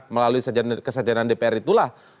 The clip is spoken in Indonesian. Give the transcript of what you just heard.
melalui kesejanan dpr itulah